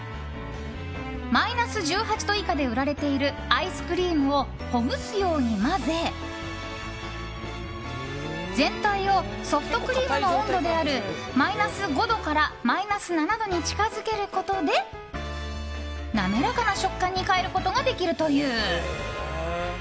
マイナス１８度以下で売られているアイスクリームをほぐすように混ぜ全体をソフトクリームの温度であるマイナス５度からマイナス７度に近づけることで滑らかな食感に変えることができるという。